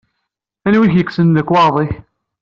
Anwa i k-yekksen lekwaɣeḍ-ik?